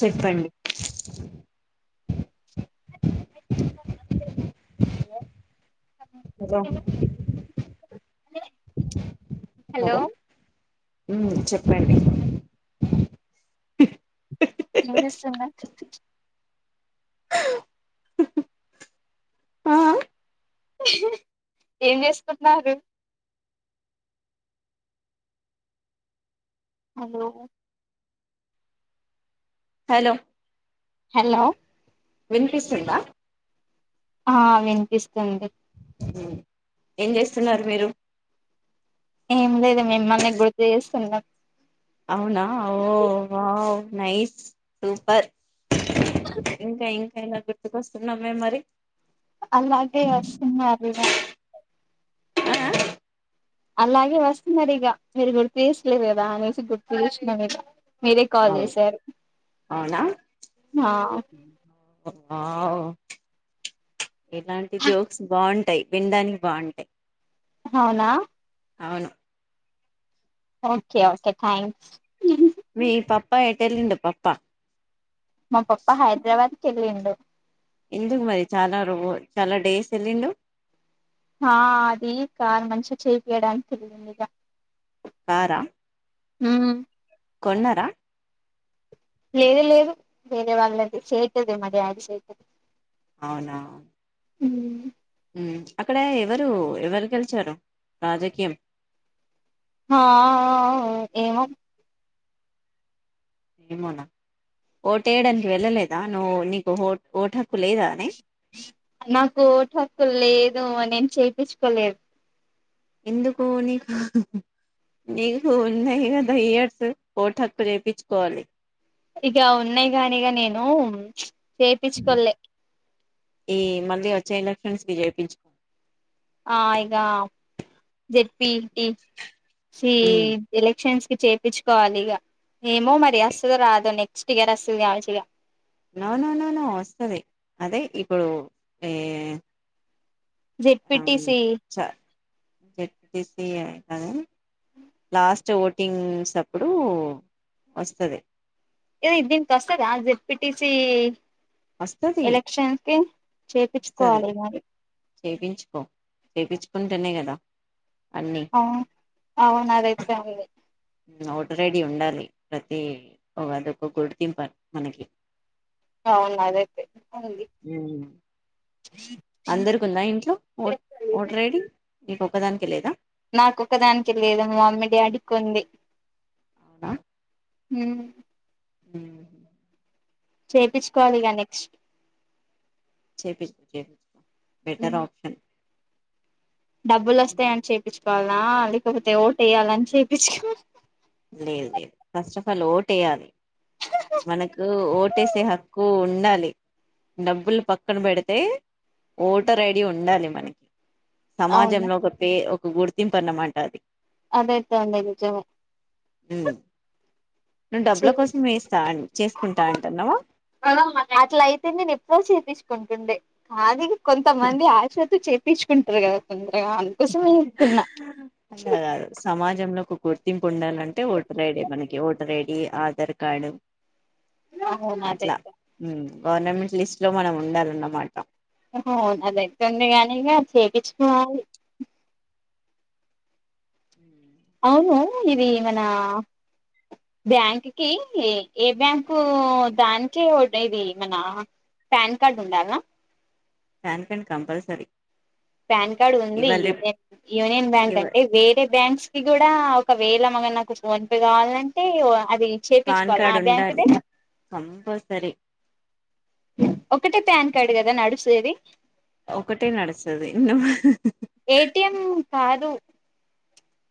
చెప్పండి ఇ దా అ హలో మ్మ్ చెప్పండి విన్ పిస్తుందా ఆ అ ఏం చేసుకుంటున్నారు హలో హలో హలో వినిపిస్తుందా ఆ వినిపిస్తుంది ఏం చేస్తున్నారు మీరు ఏం లేదు మిమ్మల్ని గుర్తు చేస్తున్నా అవునా ఓ వావ్ నైస్ సూపర్ ఇంకా ఇంకాయ గా సున్నామే మరి అలాగే అ సినిమా అర్గా ఆ అలాగే వస్తున్నారు ఇగ మీరు గుర్తు చేసలేదు కదా అనేసి గుర్తు చేసినం ఇగ మీరే కాల్ అవును చేసారు అవునా ఓ ఇలాంటి జోక్స్ బాగుంటాయి వినడానికి బాగుంటాయి అవునా అవును ఓకే ఓకే థ్యాంక్స్ ఏటెల్లిండు పాప్పా మా పప్పా హైదరాబాద్కి వెళ్ళిండు ఎందుకు మరి చాలా రో చాలా డేస్ వెళ్ళిండు ఆ అది కారు మంచిగా చేయిపియడానికి తెలియంది ఇక కారా హమ్ కొన్నరా లేదు లేదు వేరే వాళ్ళది చేయతుది మరి ఆది చేతుది అవునా హమ్ అక్కడ ఎవరు ఎవరు గెలిచారు రాజకీయం ఆ ఏమో ఏమోనా ఓట వేయడానికి వెళ్ళలేదా నువ్వు నీకు ఓ ఓటు హక్కు లేదా నీ నాకు ఓటు హక్కు లేదు అ నేను చేయించుకోలేదు ఎందుకు నీకు నీకు ఉన్నా యర్స్ కోట హక్కు రేపించుకోవాలి ఇక ఉన్నాయి కానిక నేను చేయిించుకలే ఈ మళ్ళీ వచ్చే ఎలక్షన్స్కిి చేయిించుకో ఆ ఇకా జెడ్పిి టీ సి మ్మ్ ఎలక్షన్స్ చేయిించుకోవాలి ఇక ఏమో మరి అస్తుదు రాదు నెక్స్ట్ ఇయర్ అస్తుదు కావాల్ు ఇగా నానా నానా వస్తంది అదే ఇప్పుడు ఏ జిట్పిిట్సి జెడ్పీసి కానీ లాస్ట్ ఓటింగ్స్ అప్పుడు వస్తుంది ఇద ఇదిన్ కష్టద దిట్పిిట్టసి వస్తది ఎలక్షన్స్ కి చేపంచుకోవాలి మరి చేయించుకో చేయించుకుంటేనే కదా అన్ని అవు అవును అదైతేది ఓట రెడి ఉండాలి ప్రతి ఒక అదక్క గుడితిింపాలి మనకి అవును అదైతే అవుడి అందరికిందా ఇంట్లో ఓ ఉంది ఓట రైడి నీకు ఒకదానికి లేదా నాకొ ఒకదానికి లేదు మామ్మడి అడుకుంది అవునా హ హ చేయించుకోవాలి ఇక నెక్స్ట్ చేపించకో చేపించుకో బెటర్ ఆప్షన్ డబ్బులు వస్తాయని చె చేయిపుకోవదు నా లేకపోతే ఓటు వయ్యాలని చేపించు లేదు లేదు ఫస్ట్ ఆఫ్ ఆల్ ఓట వేయాలి మనకు ఓటేసే హక్కు ఉండాలి డబ్బులు పక్కన పెడితే ఓటర్ ఐడి ఉండాలి మనకి సమాజం అవును లో ఒకపే గుర్తం పనమాటది అదేతేా ఉండ చ హ చేసుకుంటా అంటున్నావా ఉంటుండే కానీ కొంతమంది ఆశతో చే తీసుకుంటరు కదా కొందర్ అందుకోసమే చెప్తున్న గుర్తింప్ ఉండాలంటే ఓటుర్ ఐడి మనకి ఓటుర్ ఐడి డీ ఆధార్ కార్డు అవును అట్ల అదైతే మ్ గవర్నమెంట్ లిస్ట్ లో మనం ఉండాలన్నమాట అవును అదైతే ఉంది కానీ ఇగ చేపిచ్చుకోవాలి అవునూ ఇదీ మనా బ్యాంక్ కీ ఏ బ్యాంకూ దానికి ఓటర్ ఐడీ మనా పాన్ కార్డ్ ఉండాలనా PAN card compulsory PAN card ఉంది ఇవాళ రేపు యూనియన్ యూనియన్ బ్యాంక్ ఇవ అంటే వేరే బ్యాంక్స్ ఇది కూడా ఒకవేళ మళ్ళ నాకు ఫోన్ పే కావాలంటే అది పాన్ చేపించుకోవాల ఆ కార్డ్ ఉండాలి బ్యాంక్దే కంపల్సరీ ఒక్కటే ప్యాన్ కార్డు కదా నడుసేది ఒక్కటే నడుస్తది ఏటిఎం కాదు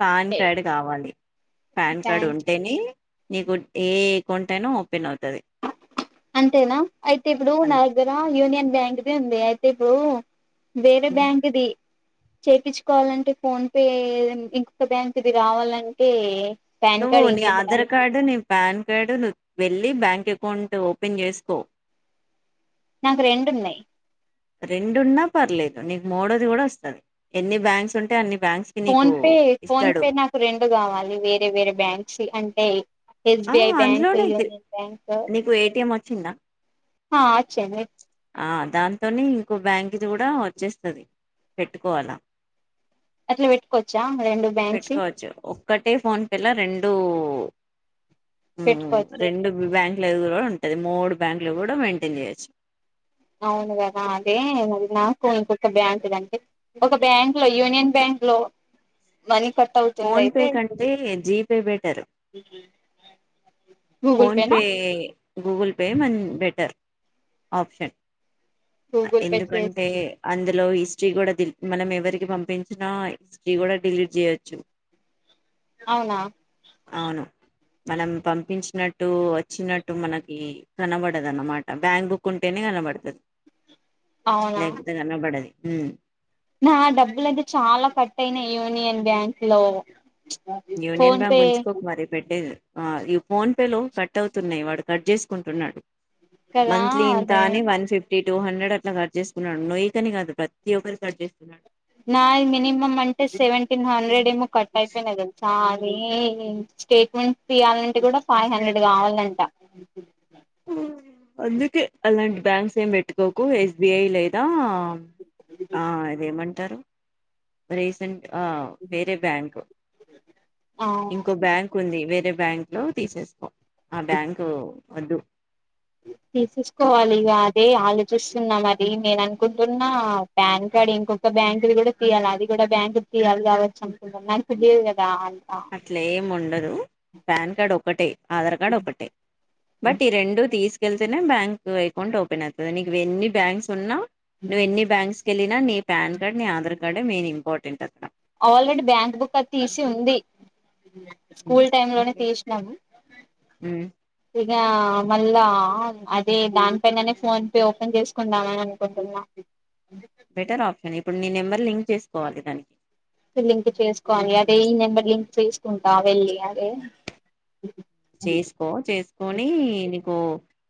పాన్ కార్డ్ కావాలి ప్యాన్ కార్డ్ పాన్ ఉంటేనే నీగు ఏ కొంటేనూ అంతేనా అయితే ఇప్పుడు నా దగ్గరా యూనియన్ బ్యాంక్ దీ ఉంది ఐతే ఇప్పు వేరే అ బ్యాంక్ దీ చేపిచ్చుకోవాలంటే ఫోన్ పే ఇంకొక బ్యాంక్ ది కావాలంటే పాన్ నువ్వు కార్డ్ నీ ఇంకొకటి ఆధార్ కార్డు నీ పాన్ కార్డు నువ్వు వెళ్ళి బ్యాం కి అకౌంట్ ఓపెన్ చేసుకో నాకు రెండున్నాయ్ రెండున్నా పర్లేదు నీకు మూడోది కూడా వస్తది ఎన్ని బ్యాంక్స్ ఉంటే అన్ని బ్యాంక్స్ కి నీకు ఫోన్పే ఫోన్ ఇస్తాడు పే నాకు రెండు కావాలి వేరే వేరే బ్యాంక్స్ యి అం ఏ ఆ ఎస్బిఐ బ్యాంక్ యూనియన్ బ్యాంక్ చ్చిందా హా అచ్చింది ఆ దాంతోనే ఇంకో బ్యాంక్ది కూడా వచ్చేస్తది పెట్టుకోవాలా అట్లా పెట్టుకోవచ్చా రెండు బ్యాంక్స్ పెట్టుకోవచ్చు ఒక్కటే ఫోన్ పిల్ల రెండూ పెట్టుకోవచ్చు రెండు బ్యాన్ కూడా ఉంటది మూడు బ్యాంకులు కూడా మెయింటైన్ చేయొచ్చు అవునుదనా అదేది నా స్కూల్ కుక్క బ అంటదంట ఒక బ్యాంక్ లో యూనియన్ బ్యాంక్ లో మని ఫోన్పే కంటే జీపే బెటరు గూగుల్ పేనా ఫోన్పే గూగుల్ పే మ బెటర్ ఆప్షన్ గూగుల్ పే చేసి ఎందుకంటే అందులో హిస్టరీ కూడా మనం ఎవరికి పంపించినా హిస్టరీ కూడా డిలీట్ చేయొచ్చు అవునా అవును మనం పంపించినట్టు వచ్చినట్టు మనకి కనబడదు అన్నమాట బ్యాంక్ బుక్ ఉంటేనే కనబడతుది అవునా లేకపోతే కన పడది హమ్ నా డబ్బులు అతే చాలా కట్ అయినాయి యూనియన్ బ్యాంక్ లో యూనియన్ ఫోన్ బ్యాంక్ పే ఉంచుకో మరీ పెట్టేది ఆ యూపీ ఫోన్ పే లో కట్ అవుతున్నాయి వాడు కట్ చేసుకుంటున్నాడు కదా మంత్లీ ఇంత అదే అని one fifty tea two hundred అట్లా కట్ చేసుకున్నాడు నొయ్యి కని కాదు ప్రతి ఒక్కరు కట్ చేస్తున్నాడు నా మినిమమ్ అంటే సెవెంటీన్ హండ్రెడ్ ఏము కట్ అయిపోన అదంత చా స్టేట్మెంట్ తీయాలంటే కూడా ఫైవ్ హండ్రెడ్ కావాలంట అందుకే అలాంటి బ్యాంక్స్ ఏం పెట్టుకోకు ఎస్బిఐ లేదా ఆ అదేమంటారు రీసెంట్ ఆ వేరే బ్యాంక్ ఆ ఇంకో బ్యాంక్ ఉంది వ వేరే బ్యాంక్ లో తీసేసుకో ఆ బ్యాంకు వదు తీసేసుకోవాలి ఇగా అదే ఆలో చూస్తున్నాం మది నేను అనుకుంటున్నా పాన్ కార్డ్ ఇంకొక బ్యాంకు కూడా తీయాలి అది కూడా బ్యాంకు తీయాలి కావచ్చు అనుకుంటున్న నాకు తెలిదు కదా అంతా అట్లే ఏం ఉండదు పాన్ కార్డ్ ఒకటే ఆధార్ కార్డ్ ఒకటే బట్ ఈ రెండు తీసు కెళ్తేనే బ్యాంక్ అకౌంట్ ఓపెన్ అవుతుంది నీకు ఎన్ని బ్యాంక్స్ ఉన్నా నువ్ ఎన్ని బ్యాంక్స్ కళ్ళిన నీ పాన్ కార్డ్ నీ ఆధార్ కార్డే మేన్ ఇంపార్టెంట్ అక్కడ ఆల్రెడీ బ్యాంక్ బుక్ అ తీసి ఉంది హ్మ్. స్కూల్ టైమ్ లోనే బె తీసినాము హ్మ్. ఇగా మళ్ళా అదే దానిపైననే ఫోన్ పే ఓపెన్ చేసుకుందామని అనుకుంటున్నా బెటర్ ఆప్షన్ ఇప్పుడు నీ నెంబర్ లింక్ చేసుకోవాలి దానికి లింక్ చేసుకోవాలి అదే ఈ నెంబర్ లింక్ చేసుకుంటా వెళ్ళి అదే చేసుకో చేసుకొని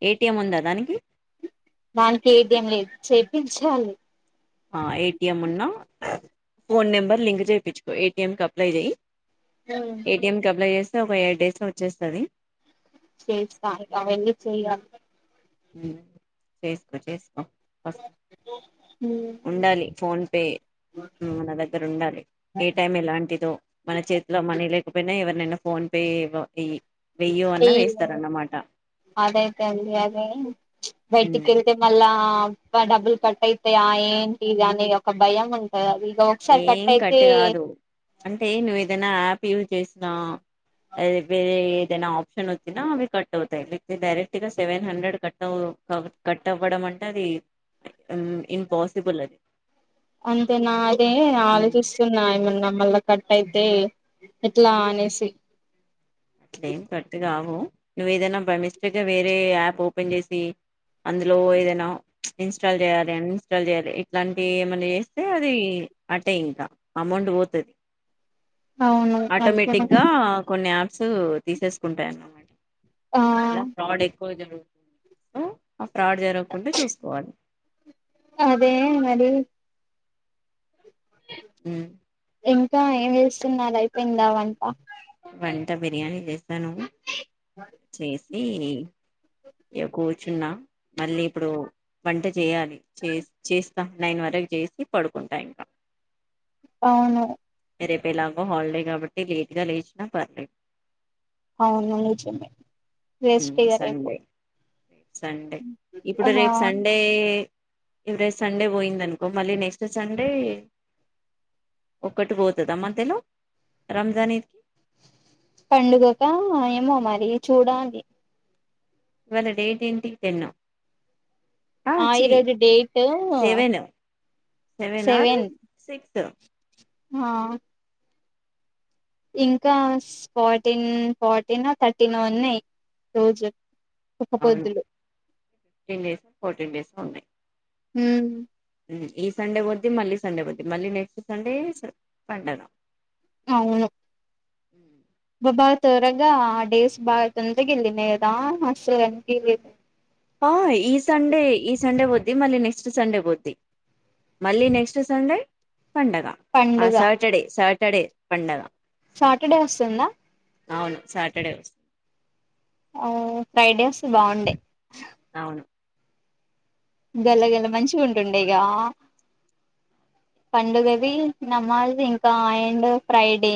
ఏటిఎం ఉందా దానికి దానికి ఏటీఎం లేదు చేపించాలి ఏటిఎం ఉన్నా ఫోన్ నెంబర్ లింక్ చేయించుకో ఏటీఎం కి అప్లై చెయ్యి ఏటీఎం కబ ఒక ఎయిట్ డేస్ లో వచ్చేస్తది చేస్త అవన్నీ చేయ్యాల హ్మ్ చేసుకో చేసుకో ఉండాలి ఫోన్ పే మన దగ్గర ఉండాలి ఏ టైం ఎలాంటిదో మన చేతిలో మని లేక్ ఎటు పోయినా ఎవరినైనా ఫోన్ పే వెయ్యి వెయ్యో అన్నా ఈ వేస్తారన్నమాట అదైతనది అదే బయటికెళ్తే మళ్ళా డబ్బులు కట్ అయితాయా ఏంటిది అనే ఒక భయం ఉంటది ఆది ఏం కట్ కాదు అంటే నువ్వు ఏదన్నా యాప్ యూస్ జేస్తా అది వేరే ఏదన్న ఆప్షన్ వచ్చిన అవి కట్ అవుతాయి లేకపోతే డైరెక్ట్ గా సెవెన్ హండ్రెడ్ కట్ కట్ అవ్వడం అంటే అది ఇంపాసిబుల్ అది అన్ తే నా అదే ఆలోచిస్తున్నా ఏమన్నా మళ్ళ క యితే ఎట్లా అనేసి అట్లే ఏం కట్ కావు నువ్వు ఏదైనా బై మిస్టేక్గా వేరే యాప్ ఓపెన్ చేసి అందులో ఏదైనా ఇన్స్టాల్ చేయాలి అన్ఇన్స్టాల్ చేయాలి ఇట్లాంటివి ఏమన్నా చేస్తే అది అట్టే ఇంకా అమౌంట్ పోతది. అవును అందుకే ఆటోమేటిక్ గా కొన్ని యాప్ స్ తీసేసుకుంటామాట ఆ ఎలా ఫ్రాడ్ ఎక్కువ జరుగుతు హలో ఆ ఫ్రాడ్ జరగకుండా చూసుకోవాలి అదే మరి హమ్ ఇంకా ఏం చేస్తున్నారు అయిపోయిందా వంట వంట బిర్యానీ చేస్తా నువ్వు చేస్తా ఇది ఇక కూర్చున్నా మళ్ళీ ఇప్పుడు వంట చేయాలి చేస్ చేస్ నైన్ వరకు చేసి పడుకుంటా ఇంకా అవును రేపు ఎలాగో హాలిడే కాబట్టి లేట్ గా లేచి ఆ పర్లేదు అవును నిజమే రెస్ట్ ఉమ్, ఇగ రేపు సండే సండే ఇప్పుడు ఆ రేపు సండే ఈ రోజు సండే పోయింద అనుకో మళ్ళీ నెక్స్ట్ సండే ఒక్కటి పోతుదా మధ్యలో రంజానీ పండుగగా ఏమో మరి చూడాలి ఇవాళ డేట్ ఏంటి టెన్ ఆ ఈరోజు డేటు సెవెన్ సెవెన్ సిక్స్ ఆ ఇంకా ఫార్టీన్ ఫార్టీన్ థర్టీన్ ఉన్నాయి రోజు ఒక పోద్దులు ఫిఫ్టీన్ డేస్ ఫోర్టీన్ డేస్ లో ఉన్నాయి హమ్ ఈ సండే వద్ది మళ్ళీ సండే వద్ది మళ్ళీ నెక్స్ట్ సండే పడుగ అవును బాగా త్వరగా ఆ డేస్ బాగా తొందరకి వెళ్ళినదా అస్సలు అనిపిలేదు ఈ సండే ఈ సండే వద్ది మళ్ళీ నెక్స్ట్ సండే పోద్ది మళ్ళీ నెక్స్ట్ సండే పండగ ఆ పండుగ సాటర్డే ఇక్కడే పండగ సాటర్డే వస్తుందా అవును సాటర్డే అవ ఫైవ్ డేస్ బాగుండే అవును గల గల మంచి ఉంటుండే ఇక పండుగవి నమాజ్ వి ఇంకా అండ్ ఫ్రైడే